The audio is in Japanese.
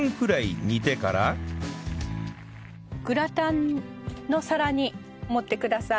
グラタンの皿に盛ってください。